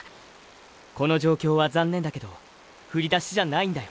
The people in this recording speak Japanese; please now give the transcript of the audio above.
この状況は残念だけど“ふりだし”じゃないんだよ